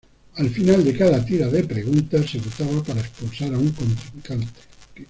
Al final de cada tira de preguntas, se votaba para expulsar a un contrincante.